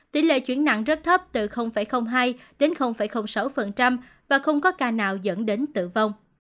tỷ lệ chuyển nặng rất thấp từ hai đến sáu và không có ca nào dẫn đến tử vong